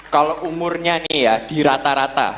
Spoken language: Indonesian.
kalau umurnya nih ya